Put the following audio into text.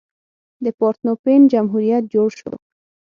د پارتنوپین جمهوریت جوړ شو.